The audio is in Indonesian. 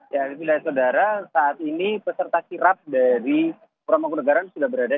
ya pilihan saudara saat ini peserta kirap dari pura mangkunagaran sudah berada